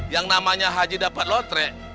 yang namanya haji dapat lotre